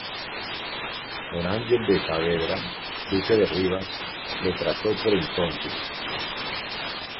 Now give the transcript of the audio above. Don Ángel de Saavedra, Duque de Rivas, le trató por entonces.